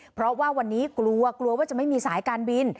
เพราะว่าวันนี้กลัวกลัวว่าจะไม่มีสายการบิน